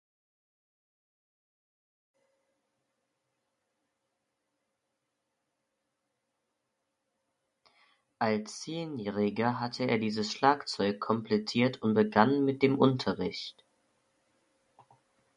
Als Zehnjähriger hatte er dieses Schlagzeug komplettiert und begann mit dem Unterricht.